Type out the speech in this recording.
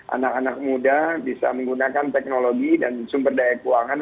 anak anak muda bisa menggunakan teknologi dan sumber daya keuangan